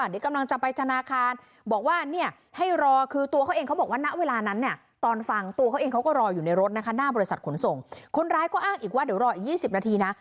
เดี๋ยวรออีก๒๐นาทีนะ